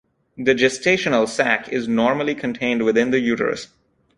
The gestational sac is normally contained within the uterus.